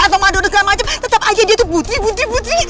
atau madonis tetep aja dia tuh putri